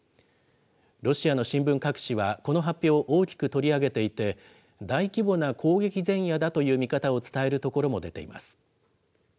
ロシアの新聞各紙はこの発表を大きく取り上げていて、大規模な攻撃前夜だという見方を伝えるところも出ています。